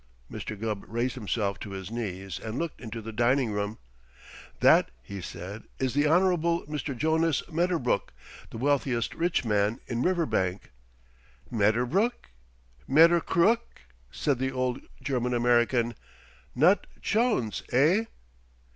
Mr. Gubb raised himself to his knees and looked into the dining room. "That," he said, "is the Honorable Mr. Jonas Medderbrook, the wealthiest rich man in Riverbank." "Metterbrook? Mettercrook?" said the old German American. "Not Chones, eh?"